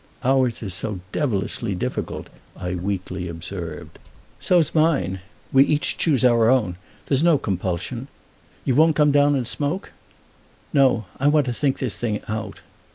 "Ours is so devilish difficult," I weakly observed. "So's mine. We each choose our own. There's no compulsion. You won't come down and smoke?" "No. I want to think this thing out."